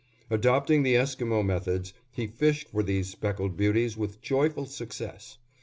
Adopting the Esquimo methods, he fished for these speckled beauties with joyful success.